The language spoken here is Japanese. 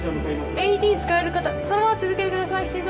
ＡＥＤ使える方そのまま続けてください